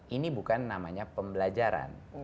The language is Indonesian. ini bukan namanya pembelajaran